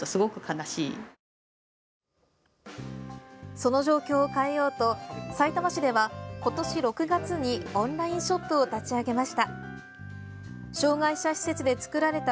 その状況を変えようとさいたま市では今年６月にオンラインショップを立ち上げました。